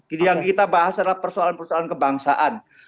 yang kita bahas adalah persoalan persoalan kebangsaan